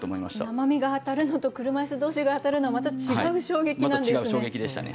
生身が当たるのと車いす同士が当たるのはまた違う衝撃なんですね。